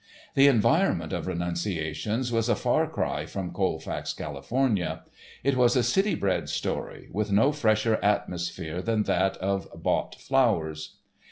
The environment of "Renunciations" was a far cry from Colfax, California. It was a city bred story, with no fresher atmosphere than that of bought flowers.